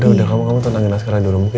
udah kamu tonangin naskara dulu